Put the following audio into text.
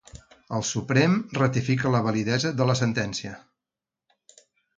El Suprem ratifica la validesa de la sentència